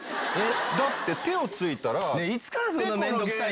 だって手をついたら。